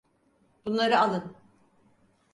Bunları alın.